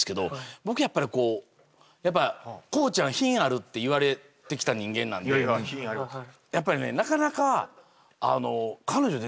僕やっぱりこう「耕ちゃん品ある」って言われてきた人間なんでやっぱりねえっ！